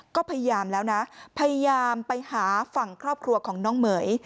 ก็พยายามแล้วนะพยายามไปหาฝั่งครอบครัวของน้องเหม๋ย